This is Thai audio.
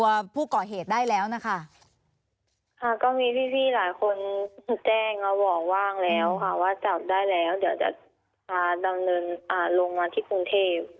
ว่าจับได้แล้วเดี๋ยวจะพาดำเนินลงมาที่กรุงเทพฯ